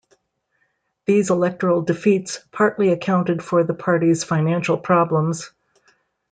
These electoral defeats partly accounted for the party's financial problems.